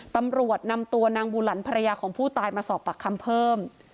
ตำรวจนำตัวนางบูหลันภรรยาของผู้ตายมาสอบปากคำเพิ่ม